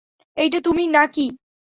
এইটা তুমি না-কি?